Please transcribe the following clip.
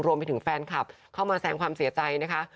รวมไปถึงแฟนคลับเข้ามาแสงความเสียใจนะคะ